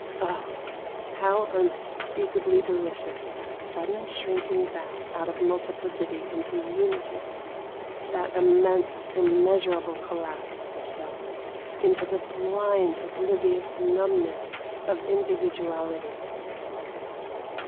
Oh ! how unspeakably delicious that sudden shrinking back out of multiplicity into unity! — that immense, im measurable collapse of Self into the blind oblivious numbness of individuality